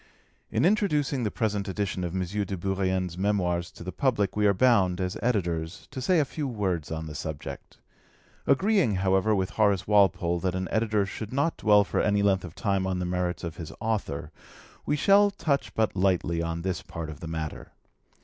In introducing the present edition of M. de Bourrienne's Memoirs to the public we are bound, as Editors, to say a few Words on the subject. Agreeing, however, with Horace Walpole that an editor should not dwell for any length of time on the merits of his author, we shall touch but lightly on this part of the matter.